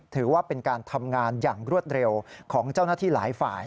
ถือว่าเป็นการทำงานอย่างรวดเร็วของเจ้าหน้าที่หลายฝ่าย